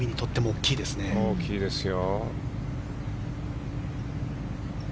大きいですよ。